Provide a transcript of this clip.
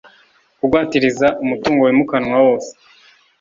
kugwatiriza umutungo wimukanwa wose